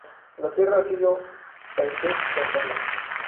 La tierra ha sido tainted con sangre.